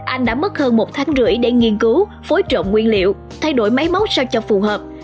anh đã mất hơn một tháng rưỡi để nghiên cứu phối trộn nguyên liệu thay đổi máy móc sao cho phù hợp